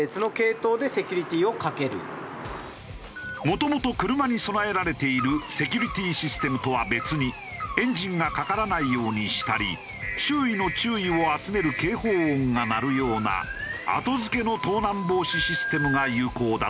もともと車に備えられているセキュリティーシステムとは別にエンジンがかからないようにしたり周囲の注意を集める警報音が鳴るような後付けの盗難防止システムが有効だという。